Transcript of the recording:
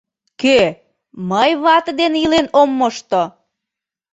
Кӧ, мый вате дене илен ом мошто?!